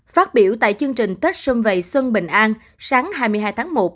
phát biểu tại chương trình tết xuân vầy xuân bình an sáng hai mươi hai tháng một